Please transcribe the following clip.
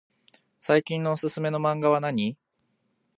最近のおすすめマンガはなに？